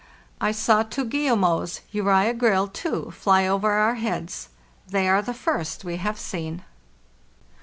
I saw two guillemots (Uvza grylle), too, fly over our heads. They are the first we have seen.